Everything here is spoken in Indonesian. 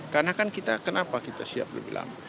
karena kan kita kenapa kita siap lebih lama